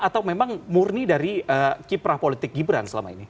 atau memang murni dari kiprah politik gibran selama ini